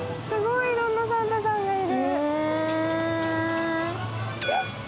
すごいいろんなサンタさんがいる。